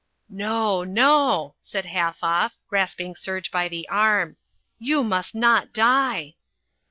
"No, no," said Halfoff, grasping Serge by the arm. "You must not die!"